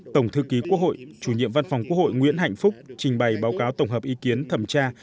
tổng thư ký quốc hội chủ nhiệm văn phòng quốc hội nguyễn hạnh phúc trình bày báo cáo tổng hợp ý kiến thẩm tra